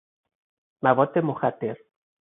مواد مخدر